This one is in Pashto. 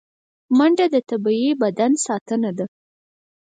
منډه د طبیعي بدن ساتنه ده